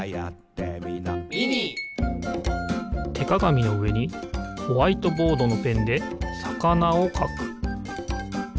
てかがみのうえにホワイトボードのペンでさかなをかく。